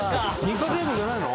ニカゲームじゃないの？